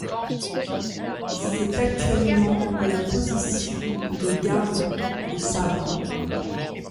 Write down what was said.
C'est actuellement la position de garde au sabre.